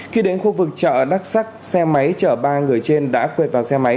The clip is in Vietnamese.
khi đến khu vực chợ đắc sắc xe máy chợ ba người trên đã quệt vào xe máy